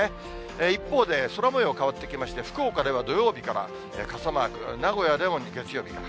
一方で、空もよう変わってきまして、福岡では土曜日から傘マーク、名古屋でも月曜日から。